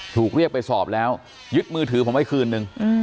ถูกเรียกไปสอบแล้วยึดมือถือผมไว้คืนนึง